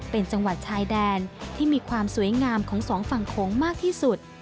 เป็นจังหวัดชายแดนที่มีความสวยงามของสองฝั่งโขงมากที่สุด